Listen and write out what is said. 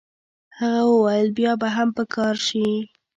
هغه وویل بیا به هم په کار شي.